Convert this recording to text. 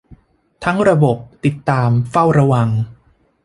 ทั้งระบบ ติดตาม เฝ้าระวัง